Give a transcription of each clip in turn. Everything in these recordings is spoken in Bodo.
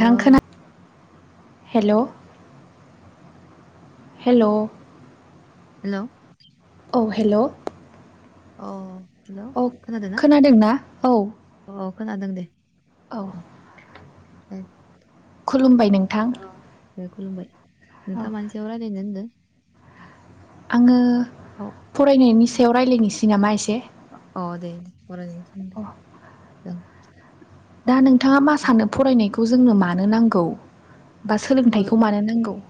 थां खोना हेल' हेलौ हेलौ औ हेलौ अ हेलौ औ खोनादों ना खोनादोंना औ अ अ, खोनादों दे औ औ खुलुमबाय नोंथां खुलुमबाय औ नोंथाङा मानि सायाव रायल्लायनो होनदों आङो अ फरायनायनि सायाव राय्लायनोसै नामा एसे अ आ दे अ दस दा नोंथाङा मा सानो फरायनायखौ जोंनो मानो नांगौ बा ओं सोलोंथाइखौ मानो नांगौ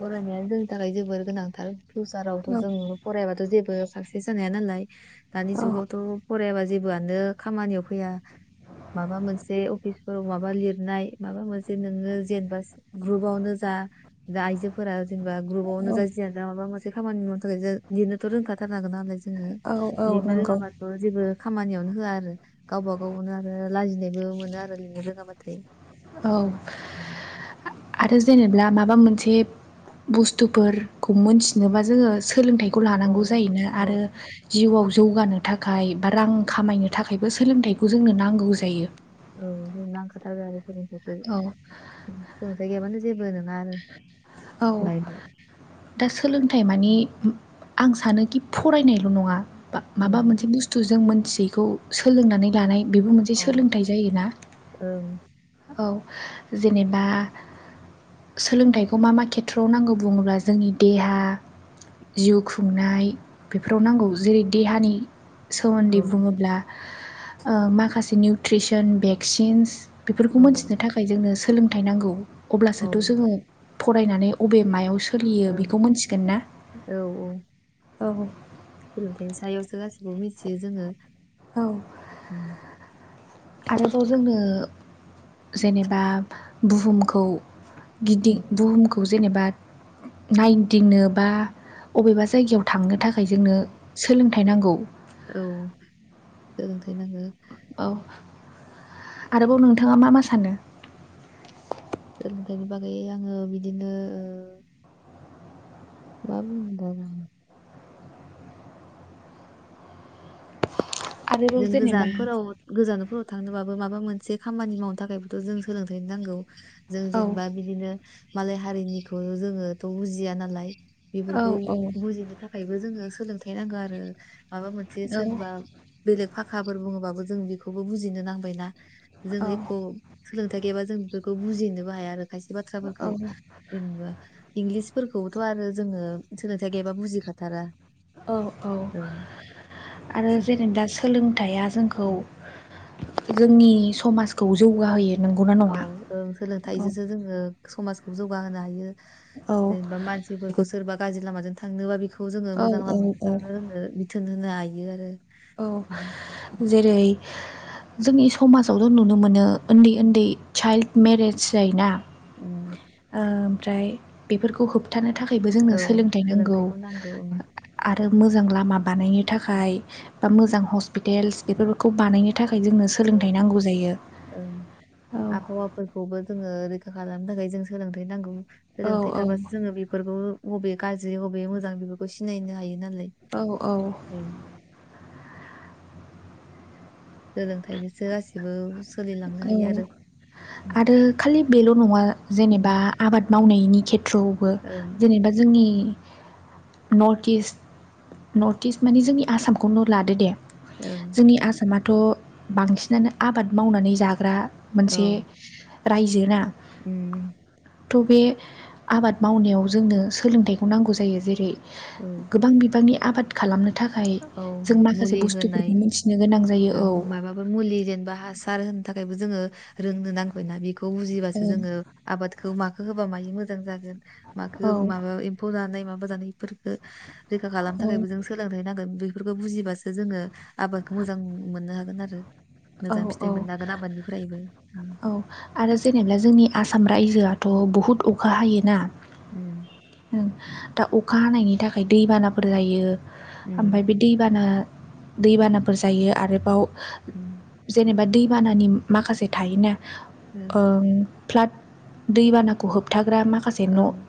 फरायनायानो जोंनि थाखाय जोबोर गोनांथार फिउसारावथ' औ जोङो फरायबाथ' जेबो साक्सेस जानाया नालाय दानि औ जुगावथ' फरायाबा जेबोआनो खामानियाव फैया माबा मोनसे अफिसफोराव माबा लिरनाय माबा मोनसे नोङो जेनेबा ग्रुपावनो जा दा आइजोफोरा जेनेबा ग्रुपावनो औ जाया माबा मोनसे खामानि मावनो थाखाय जों लिरनोथ' रोंखाथारनागोन नालाय जों जो औ औ लिरनो नंगौ रोङाबाथ' जेबो खामानियावनो होआ आरो गावबा गावनो आरो लाजिनायबो मोनो आरो लिंनो रोङाबाथाय औ आरो जेनेबा माबा माबा मोनसे बुस्थुफोरखौ मोनथिनोबा जोङो सोलोंथाइखौ औ लानांगौ जायोनो औ आरो जिउआव जौगानो थाखाय बा रां खामायनो थाखाय औ जों नां खोथाब आरो औ सोलोंथाइ गैयाबानो जेबो नङा आरो औ लाइफआव दा सोलोंथाइ मानि ओं आं सानोखि फरायनायल' नङा बा माबा ओं मोनसे बुस्थुजों सिखौ सोलोंनानै लानाय बेबो मोनसे औ सोलोंथाइ जायोना औ औ जेनेबा सोलोंथाइखौ मा मा खेथ्रआव नांगौ बुङोब्ला जोंनि देहा जिउ खुंनाय बेफोराव नांगौ जेरै देहानि सोमोन्दै औ बुङोब्ला माखासे निउट्रिसन भेक्सिन्स बेफोरखौ मोनथिनो थाखाय जोंनो सोलोंथाइ नांगौ अब्लासोथ' औ जोङो फरायनानै बबे मायाव स सोलियो बेखौ मोनथिगोन ना औ सोलोंथायाइनि सायावसो गासिबो मिथियो जोङो औ उम भारताव जोंनो जेनेबा बुहुम खौ गिदिं उम बुहुमखौ जेनेबा नायदिंनो बा अबेबा जायगायाव थांनो थाखाय जोंनो उम सोलों थायनांगौ औ सोलोंथाइ नांगौ औ आरोबाव नोंथाङा मा मा सानो सोलोंथाइनि बागै आङो बिदिनो मा बुंबावनो आं आरोबाव जों जेनेबा गोजानफोराव गोजानफोराव थांनोबाबो माबा मोनसे एसे खामानि मावनो थाखायबोथ' जों सोलोंथाइ नांगौ जों औ जेनेबा बिदिनो मालाय हारिनिखौ जोङोथ' बुजिया नालाय औ बेफोरखौ बुजिनो थाखायबो जोङो सोलोंथाइ नांगौ आरो माबा मोनसे सोरबा बेलेग फाखाफोर बुङोबाबो जों बेखौबो बुजिनो नांबायना जों औ एख' सोलोंथाइ गैयाबा जों बेफोरखौ बुजिनोबो हाया आरो खायसे औ बाथ्राफोरखौ जेनेबा इंलिस फोरखौबोथ' आरो जोङो सोलोंथाइ गैयाबा बुजिखाथारा औ औ ओं आरो जेनेबा सोलोंथाइया जोंखौ उम। जोंनि समाजखौ जौगाहोयो नंगौना औ नङा ओ औ सोलोंथाइजोंसो जोङो समाजखौ जौगाहोनो हायो औ जेनेबा मानसिफोरखौ सोरबा गाज्रि लामाजों थांनोबा बेखौ खौ जोङो मोजां औ औ लामाजों औ थाङो होनो बिथोन होनो हायो आरो औ उम जेरै जोंनि समाजावथ' नुनो मोनो उन्दै उन्दै चाइल्ड मेरेज जायोना उम, ओमफ्राय बेफोरखौ होबथानो थाखायबो जोंनो औ सोलोंथाइ नांगौ सोलोंथाइखौ नांगौ ओं आरो मोजां लामा बानायनो थाखाय बा मोजां हस्पिटेल्स बेफोरखौ बानायनो थाखाय जोंनो औ सोलोंथाइ नांगौ जायो औ आबहावाफोरखौबो जोङो रैखा खालामनो थाखाय जों सोलोंथाइ नांगौ औ सोलोंथाइ औ थाबासो जोङो बेफोरखौ बबे गाज्रि बबे मोजां बेफोरखौ सिनायनो हायो नालाय औ औ औ सोलोंथाइजोंसो गासिबो सोलिलांनो औ हायो आरो आरो खालि बेल' नङा जेनेबा उम आबाद मावनाय नि खेथ्रआवबो ओं जेनेबा जोंनि नर्थ इस्ट नर्थ इस्ट माने जोंनि आसामखौनो लादो दे ओं जोंनि आसामाथ' बांसिनानो आबाद मावनानै जाग्रा मोनसे औ रायजोना उम थ' बे आबाद मावनायाव जोंनो सोलोंथाइखौ नांगौ जायो जेरै औ गोबां बिबांनि आबाद खालामनो थाखाय औ जों माखासे मुलि बुस्थुफोरखौ होनाय मिथिनो गोनां जायो औ माबाफोर मुलि जेनबा हास सार होनो थाखायबो जोङो रोंनो नांबायना बेखौ बुजिबासो औ जोङो आबादखौ मा होबा मायो मोजां जागोन मखौ औ माबा एम्फौ जानाय माबा जानाय बेफोरखौ रैखा खालामनो थाखायबो जों सोलोंथाइ नांगो बेफोरखौ बुजिबासो जोङो आबादखौ मोजां मोननो हागोन आरो औ मोजां औ फिथाइ मोन नो हागोन आबादनिफ्रायबो उम औ आरो जेनेबा जोंनि आसाम रायजोआथ' बहुद अखा हायोना उम दा अखा हानायनि थाखाय दैबानाफोर जायो उम ओमफ्राय बे दैबाना दैबानाफोर जायो आरोबाव उम जेनेबा दैबानानि माखासे थायोना ओं फ्लाद दैबानाखौ होबथाग्रा माखासे न' ओं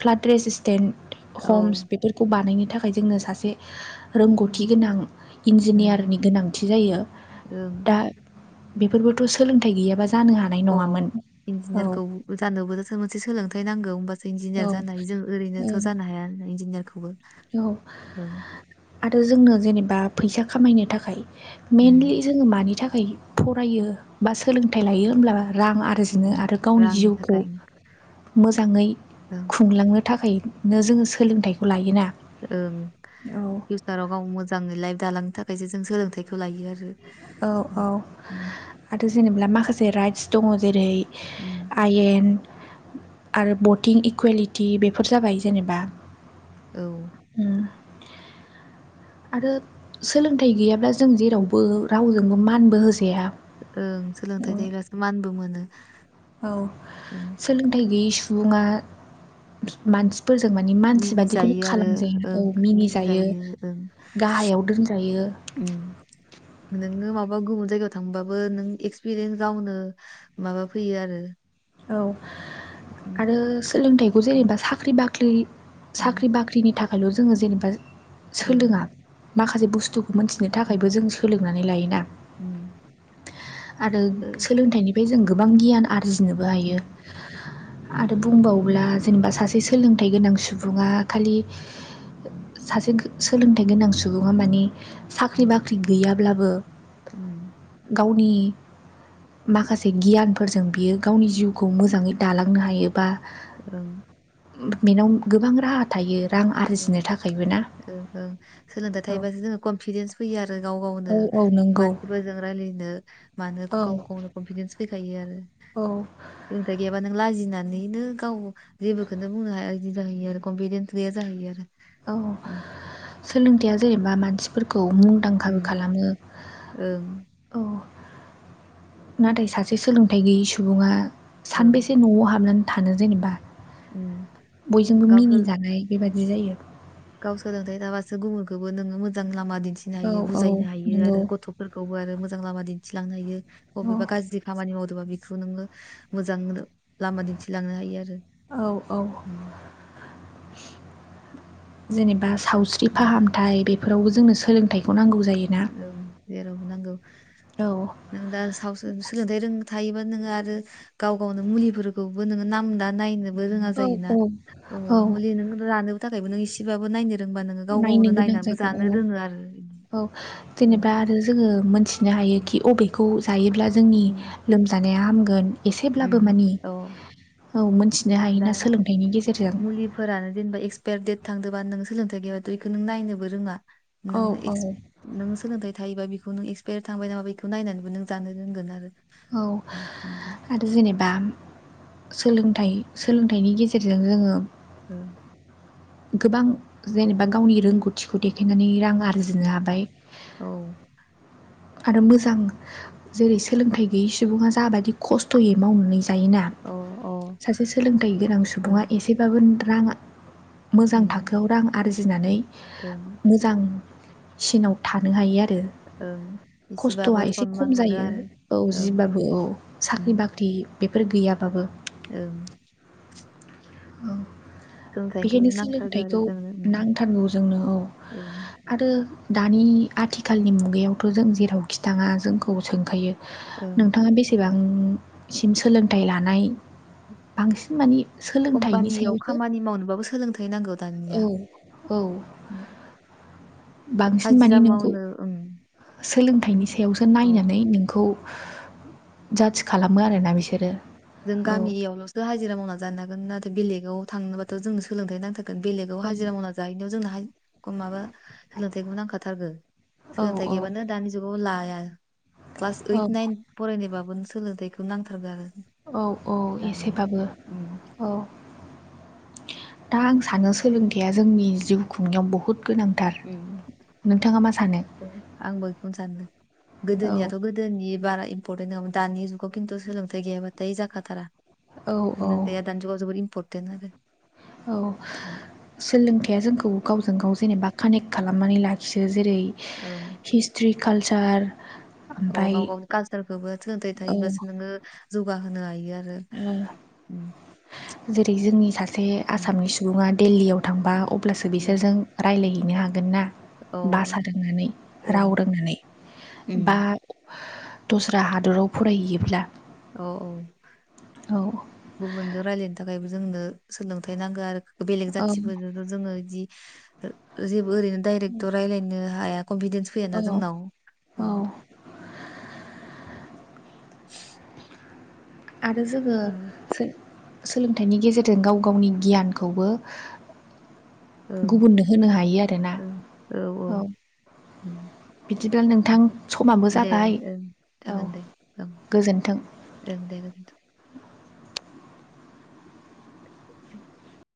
फ्लाद रेजिस टेन्ट औ हम्स बेफोरखौ बानायनो थाखाय जोंनो सासे रोंगौथि उम गोनां उम इन्जिनियारनि गोनांथि जायो ओं दा बेफोरबोथ' सोलोंथाइ गैयाबा जानो हानाय अ नङामोन औ इन्जिनियारखौ जानोबो मोनसे सोलोंथाइ नांगौ होमबासो इन्जिनियार औ जानाय जों ओरैनोथ' औ जानो हाया इन्जिनियारखौबो औ ओं आरो जोंनो जेनेबा फैसा खामायनो थाखाय मेनलि उम जोङो मानि थाखाय फरायो बा सोलोंथाइ लायो होमब्ला रां आरजिनो उम आरो गावनि रांनि जिउखौ थाखाय मोजाङै ओं खुंलांनो थाखाय नो जोङो सोलोंथाइखौ लायोना ओं औ फिउसाराव गाव मोजाङै लाइफ दालांनो थाखायसो जों सोलोंथाइखौ लायो आरो औ उम औ उम आरो जेनेबा माखासे राइटस दङ जेरै उम आयेन आरो बटिं इकुवेलिटि बेफोर जाबाय जेनेबा औ उम आरो सोलोंथाइ गैयाब्ला जों जेरावबो रावजोंबो मानबो होजाया ओं सोलोंथाइ थायोब्लासो मानबो मोनो औ ओं सोलोंथाइ गैयै सुबुङा मानसि फोरजों माने मानसि बादिखौनो मिनिजायो आरो खालामजाया ओं औ मिनिजायो ओं गाहायाव दोनजायो [inaudible] नोंङो माबा माबा गुबुन जायगायाव थांबाबो नों एक्सपिरियेन्स गावनो माबा फैयो आरो औ उम आरो सोलोंथाइखौ उम जेनेबा साख्रि बाख्रि उम साख्रि बाख्रिनि थाखायल' जोंङो जेनेबा ओं सोलोङा माखासे बुस्थु मोनथिनो थाखायबो जों सोलोंनानै लायोना उम आरो सोलोंथाइनिफ्राय जों गोबां गियान आरजिनोबो हायो। आरो बुंबावोब्ला जेनेबा सासे सोलोंथाइ गोनां सुबुंङा खालि सासे सोलोंथाइ गोनां सुबुंङा माने साख्रि बाख्रि गैयाब्लाबो गावनि माखासे गियानफोरजों बियो गावनि जिउखौ मोजांङै दालांनो हायोबा औ बेनाव गोबां राहा थायो रां आरजिनो थाखायबो ना ओं सोलोंथाइ थायोबासो जोंङो कनफिडेन्स फैयो आरो गाव गावनो औ औ नंगौ मानसिफोरजों नो मानो औ गाव औ गावनो [unintelligible] [unintelligible] गैयाबा नों लाजिनो होननानैनो गाव जेबोखौननो बुंनो हाया रोंङै जाहैयो आरो कनफिदेन्स गैया जाहैयो आरो औ ओं सोलोंथाया जेनेबा मानसि फोरखौ मुंदांखाबो ओं खालामो ओं औ नाथाय सासे सोलोंथाइ गैयि सुबुंङा सानबेसे न'आव हाबनानै थानो जेनेबा ओं बयजोंबो गाव मिनिजानाय बेबायदि जायो गाव सोलोंथाइ थाबासो गुबुनखौबो नोंङो मोजां लामा लामा दिन्थिनो औ हायो औ बुजायनो हायो नंगौ आरो गथ'फोरखौबो आरो मोजां लामा दिन्थिलांनो हायो औ बबेबा गाज्रि खामानि मावदोंबा बेखौ नोंङो मोजां लामा दिन्थिलांनो हायो आरो औ - औ उम, जेनेबा सावस्रि उम, फाहामथाय बेफोरावबो जोंनो सोलोंथायाइखौ नांगौ जायोना औ नागौ औ नों दा सोलोंथाय थायोबा नोो आरो गाव गावनो मुलिफोरखौबो नायनो रोङा औ जायो औ औ - औ मुलि लानो थाखायबो नों एसेबानो रोंबा नोंङो गाव नायनो गावनो गोनां नायनानैबो जायखौ जानो औ रोंङो आरो औ औ जेनेबा आरो जोंङो मोनथिनो हायो उम, कि बबेखौ जायोब्ला जोंनि उम, लोमजानाय हगोन उम, एसेब्लाबो मानि औ औ मोनथिनो दा हायोना सोलोंथाइनि गेजेरजों मुलिफोरानो जेनेबा इक्सपायार दडेट थांदोंबा नों सोलोंथाय गैयाबाथ बेखौ नों नायनोबो रोंङा औ औ नों सोलोंथाइ थायोबा बेखौ नों एक्सपायार थांबाय नामा बेखौ नायनानैबो नों जानो रोंगोन आरो औ जेनेबा सोलोंथाइ सोलोंथाइनि गेजेरजों जोंङो औ गोबां जेनेबा गावनि रोंगौथिखौ देखायनानै रां आरजिनो उम, हाबाय औ आरो मोजां जेरै सोलोंथाइ गैयै सुबुंङा जाबायदि खस्थ'यै मावनानै जायो। जायोना औ औ सासे सोलोंथाइ गोनां सुबुंङा ओं एसेबाबो रां मोजां उम, थाखोआव रां आरजिनानै ओं मोजां सिनाव थानो हायो आरो औ खस्थ'आ एसे खम जायो औ ओं जिबाबो औ साख्रि बाख्रि बेफोर गैयाबाबो औ औ सोलोंथाइखौ बेखायनो नांथारगौ आरो सोलोंथाइखौ जोंनो उम, नांथारगौ जोंनो औ ओं आरो दानि आथिखालनि मुगायावथ' जों जेरावखि थांङा जोंखौ सोंखायो ओं नोंथाङा बेसेबां आ सिम सोलोंथाइ लानाय बांसिन मानि सोलोंथाइनि कम्पानियाव सायावसो खामानि मावनोबाबो सोलोंथाइ नांगौ औ दानिया औ बांसिन मानि हाजिरा नोंखौ मावनो ओं सोलोंथाइनि सायावसो औ नायनानै नोंखौ जाज खालाम जों गामियावल'सो हाजिरा मावना जानो हागोन ना आरो द बेलेगाव थांनोबाथ' जोंनो सोलोंथाइ नांथारोन बेलगाव औ हाजिरा मावना जाहैनायाव जोंनाम माबा सोलोंथाइखौ नांखाथारगौ औ सोलोंथाइ औ गैयबानो दानि जुगाव लाया क्लास औ ओइट नाइन फरायनायबाबो नों सोलोंथायाइखौ नांथारगोन आरो औ औ दानिया एसेबाबो उम औ दा आं सानो सोलोंथाइया जोंनि जिउ खुंनायाव बहुद नोंथाङा मा सानो औ आं बैखौनो सानो औ गोदोनियाथ' गोदोनि बारा इम्परटेन्ट नङामोन दानि जुगाव खिन्थु सोलोंथाइ गैयाबाथाय जाखाथारा औ औ दानि जुगाव इम्पर्टेनट आरो औ सोलोंथाइया जोंखौ गावजों गाव जेनेबा कानेक्ट खालामनानै लाखियो जेरै हिस्ट्रि कालसार अ ओमफ्राय गाव गावनि कालसारखौबो सोलोंथाइ औ थायोबासो नोङो जौगाहोनो हायो आरो औ आरो जेरै जोंनि सासे आसामनि सुबुङा दिल्लीयाव थांबा अब अब्लासो उम बिसोरजों रायज्लायहैनो हागोन ना अ भासा ओं दोंनानै राव रोंनानै बा उम, दस्रा हादराव फरायहैयोब्ला औ औ औ गुबुनजों रायलायनो थाखायबो जोंनो सोलोंथाइ नांगो आरो बेलेग औ जाथिफोरजोंथ' जोङो बिदि जेबो ओरैनो डायरेक्ट' थ राय्लायनो हाया कनफिदेन्स फैयाना औ जोंनाव औ आरो जोङो औ सोलोंथाइनि गेजेरजों गाव गावनि गियानखौबो ओं गुबुननो होनो हायो आरोना औ ओं बिदिब्ला नोंथां समाबो दे जाबाय ओं औ जागोन दे औ गोजोन्थों ओं दे [inaudible]